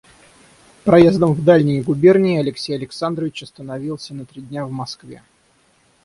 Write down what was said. Проездом в дальние губернии Алексей Александрович остановился на три дня в Москве.